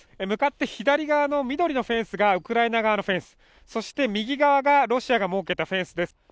向かって左側の緑のフェンスがウクライナ側のフェンス、そして右側がロシアが設けたフェンスです。